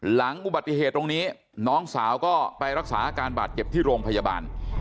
หลังอุบัติเหตุตรงนี้น้องสาวก็ไปรักษาอาการบาดเจ็บที่โรงพยาบาล